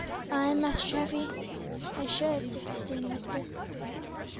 "Ay, Master Treffy, I should," said Christie, in a whisper.